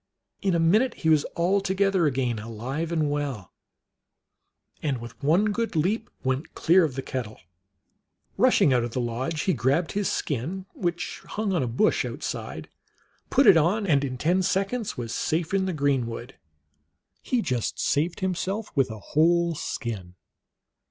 In a minute he was all together again, alive and well, and with one good leap went clear of the kettle. Rushing out of the lodge, he grabbed his skin, which hung on a bush outside, put it on, and in ten seconds was safe in the greenwood. He just saved himself with a whole skin.